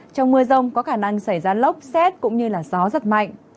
trong mưa rông có khả năng xảy ra lốc xét cũng như là gió rất mạnh